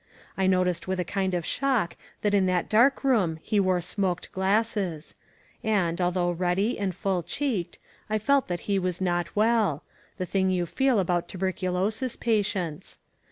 I noticed with a kind of shock that in that dark room he wore smoked glasses; and, althoo^ mddy and f nil cheeked, I felt that he was not weD, — the thing 70a feel about tnbercoloas patients.